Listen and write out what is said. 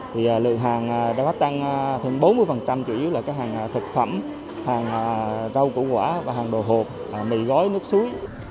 thì lượng hàng đã tăng thêm bốn mươi chủ yếu là các hàng thực phẩm hàng rau củ quả và hàng đồ hộp mì gói nước suối